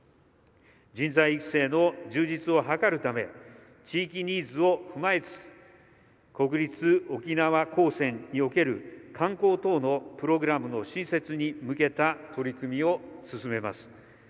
人材育成の充実を図るため地域ニーズを踏まえつつ国立沖縄高専における観光等のプログラムの新設に向けた取り組みを進めます。